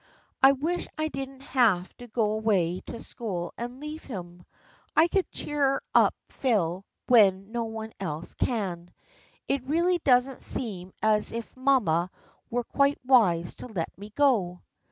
I wish I didn't have to go away to school and leave them. I can cheer up Phil when no one else can. It really doesn't seem as if mamma were quite wise to let me go."